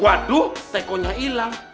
waduh tekonya hilang